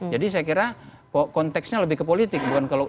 jadi saya kira konteksnya lebih ke politik